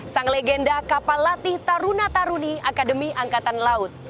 sang legenda kapal latih taruna taruni akademi angkatan laut